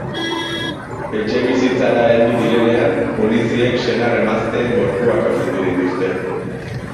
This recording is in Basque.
Etxebizitzara heldu direnean, poliziek senar-emazteen gorpuak aurkitu dituzte.